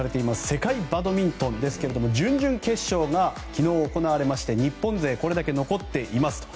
世界バドミントンですけれども準々決勝が昨日、行われまして日本勢、これだけ残っています。